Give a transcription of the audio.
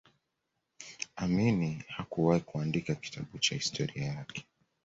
Amini hakuwahi kuandika kitabu cha historia yake